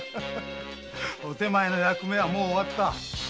お手前の役目はもう終わった。